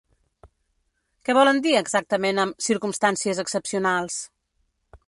Què volen dir exactament amb ‘circumstàncies excepcionals’?